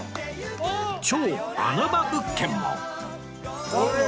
超穴場物件も